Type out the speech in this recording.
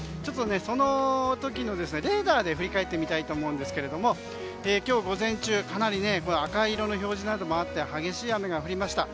その時のレーダーで振り返ってみたいと思うんですが今日午前中、かなり赤い色の表示などもあって激しい雨が降りました。